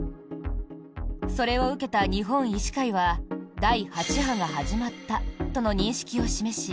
それを受けた日本医師会は第８波が始まったとの認識を示し